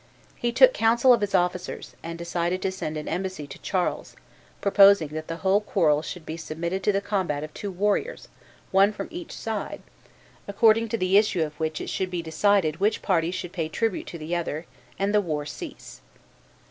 He took counsel of his officers, and decided to send an embassy to Charles, proposing that the whole quarrel should be submitted to the combat of two warriors, one from each side, according to the issue of which it should be decided which party should pay tribute to the other, and the war should cease.